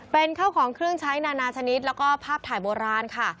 เป็นข้าวของเครื่องใช้นานาชนิดแล้วก็ภาพถ่ายโบราณค่ะ